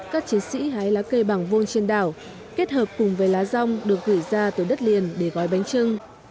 các chiến sĩ hái lá cây bằng vuông trên đảo kết hợp cùng với lá rong được gửi ra từ đất liền để gói bánh trưng